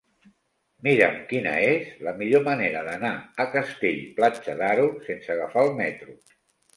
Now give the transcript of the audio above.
Mira'm quina és la millor manera d'anar a Castell-Platja d'Aro sense agafar el metro.